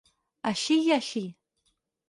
Així i així.